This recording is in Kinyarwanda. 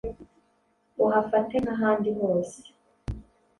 uhafate nk’ahandi hose.